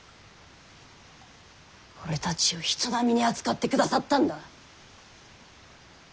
俺たちを人並みに扱ってくださったんだ。